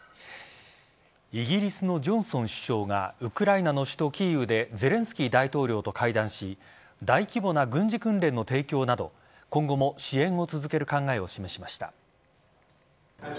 イギリスのジョンソン首相がウクライナの首都・キーウでゼレンスキー大統領と会談し大規模な軍事訓練の提供など今後も支援を続ける考えを示しました。